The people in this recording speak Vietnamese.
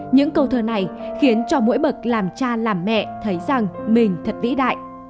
những câu thơ này khiến cho mỗi bậc làm cha làm mẹ thấy rằng mình thật vĩ đại